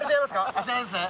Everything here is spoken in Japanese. あちらですね？